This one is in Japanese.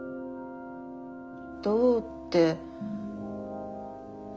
どうって。